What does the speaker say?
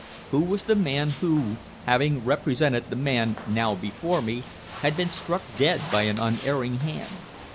Who was the man who, having represented the man now before me, had been struck dead by an unerring hand?